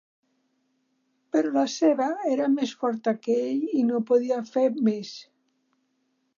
Però la ceba era més forta que ell i no podia fer més